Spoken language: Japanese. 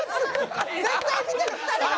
絶対見てる２人が。